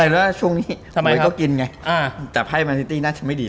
ไปเลยว่าช่วงนี้อะไรก็กินไงอ่าจับให้แมนซิติน่าจะไม่ดี